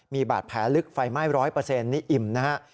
มีบาดแผลลึกไฟไหม้๑๐๐นี่อิ่มนะฮะ